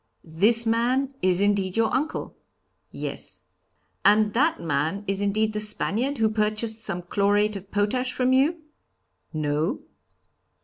'This man is indeed your uncle?' 'Yes.' 'And that man is indeed the Spaniard who purchased some chlorate of potash from you?' 'No.'